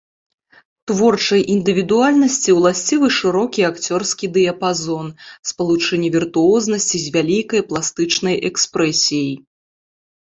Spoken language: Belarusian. Творчай індывідуальнасці ўласцівы шырокі акцёрскі дыяпазон, спалучэнне віртуознасці з вялікай пластычнай экспрэсіяй.